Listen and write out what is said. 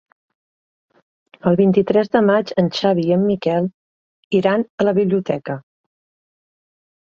El vint-i-tres de maig en Xavi i en Miquel iran a la biblioteca.